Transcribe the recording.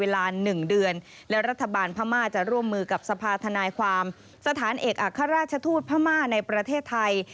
๑เดือนและรัฐบาลพม่าจะร่วมมือกับสภาธนายความสถานเอกอัครราชทูตพม่าในประเทศไทย